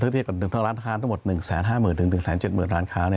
ถ้าเรียกเป็น๑๕๐๐๐๐๐ถึง๑๗๐๐๐๐ล้านค้า